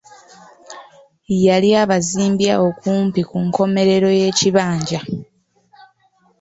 Yali abazimbye awo kumpi ku nkomerero y'ekibanja.